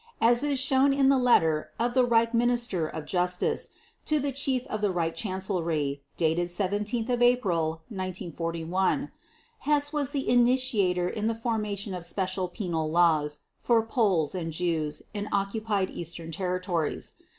As is shown in the letter of the Reichsminister of Justice to the Chief of the Reich Chancellery dated 17 April 1941, Hess was the initiator in the formation of special "penal laws" for Poles and Jews in occupied Eastern territories.